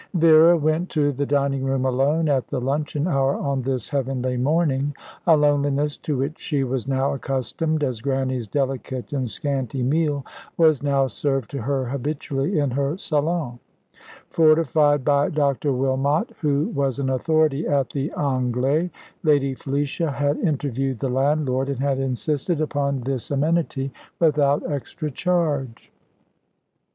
Vera went to the dining room alone at the luncheon hour on this heavenly morning, a loneliness to which she was now accustomed, as Grannie's delicate and scanty meal was now served to her habitually in her salon. Fortified by Dr. Wilmot, who was an authority at the "Anglais," Lady Felicia had interviewed the landlord, and had insisted upon this amenity without extra charge.